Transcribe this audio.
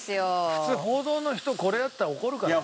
普通報道の人これやったら怒るからね。